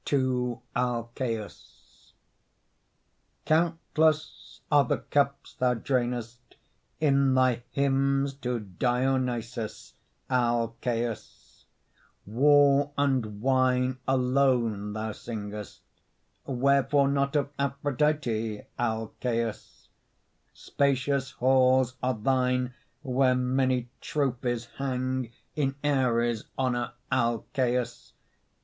TO ALCÆUS Countless are the cups thou drainest In thy hymns to Dionysos, O Alcæus! War and wine alone thou singest; Whereforenot of Aphrodite, O Alcæus! Spacious halls are thine where many Trophies hang in Ares' honor, O Alcæus!